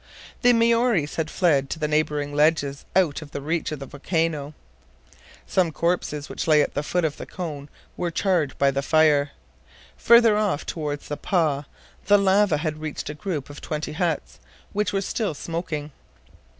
The Maories had fled to the neighboring ledges, out of the reach of the volcano. Some corpses which lay at the foot of the cone, were charred by the fire. Further off toward the "pah," the lava had reached a group of twenty huts, which were still smoking.